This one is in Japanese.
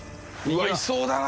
うわっいそうだな。